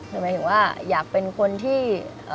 หมายถึงว่าอยากเป็นคนที่